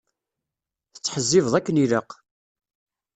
Tettḥezzibeḍ akken ilaq.